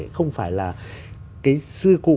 không phải là cái sư cụ